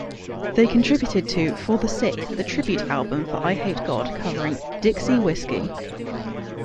They contributed to "For the Sick", the tribute album for Eyehategod, covering "Dixie Whiskey".